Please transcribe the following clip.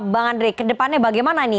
bang andre kedepannya bagaimana ini